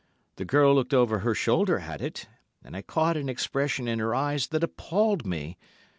The girl looked over her shoulder at it, and I caught an expression in her eyes that appalled me.